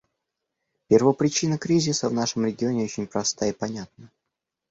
Первопричина кризиса в нашем регионе очень проста и понятна.